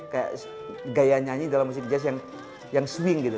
kayak gaya nyanyi dalam musik jazz yang swing gitu